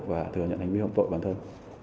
và thừa nhận hành vi hỗn tội bản thân